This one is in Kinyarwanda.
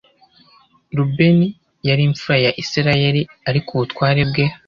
rubeni yari imfura ya isirayeli ariko ubutware bwe